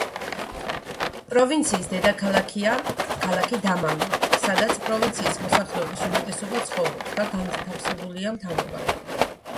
პროვინციის დედაქალაქია ქალაქი დამამი, სადაც პროვინციის მოსახლეობის უმეტესობა ცხოვრობს და განთავსებულია მთავრობა.